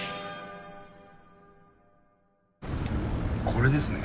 これですね。